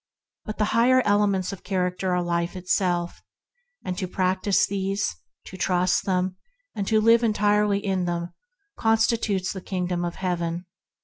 But the higher elements of character are life itself; and to practise these, to trust them, and to live entirely in them, constitute the Kingdom of Heaven.